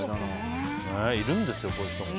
いるんですよ、こういう人も。